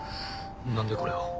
何でこれを？